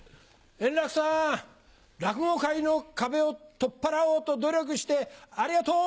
円楽さん、落語界の壁を取っ払おうと努力してありがとう。